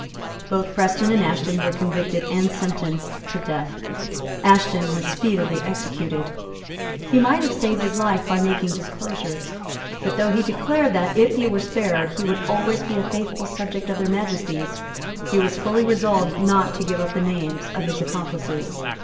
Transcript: Both Preston and Ashton were convicted and sentenced to death. Ashton was speedily executed. He might have saved his life by making disclosures. But though he declared that, if he were spared, he would always be a faithful subject of Their Majesties, he was fully resolved not to give up the names of his accomplices.